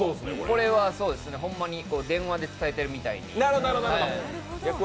これはほんまに電話で伝えてるみたいに。